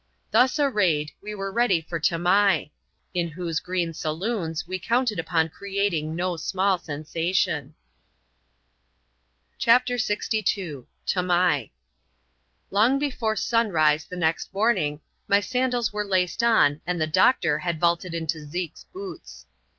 Thus arrayed, we were ready for Tamai; in whose green saloons, we counted upon creating no small sensation. 238 ADVENTURES IN THE SOUTH SEAS. [chap, lul CHAPTER LXn. TamaL Long before sunrise the next morning, my sandals were laced on, and the doctor had vaulted into Zeke's boots.